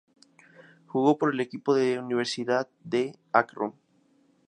Jugó por el equipo de Universidad de Akron.